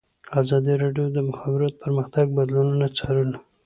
ازادي راډیو د د مخابراتو پرمختګ بدلونونه څارلي.